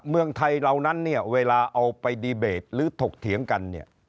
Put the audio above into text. เมืองไทยเหล่านั้นเนี่ยเวลาเอาไปดีเบตหรือถกเถียงกันเนี่ย